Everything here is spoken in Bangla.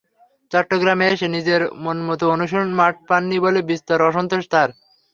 চট্টগ্রামে এসে নিজের মনমতো অনুশীলন মাঠ পাননি বলে বিস্তর অসন্তোষ তাঁর।